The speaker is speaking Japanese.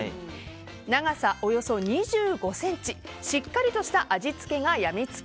長さおよそ２５ｃｍしっかりとした味付けがやみつき！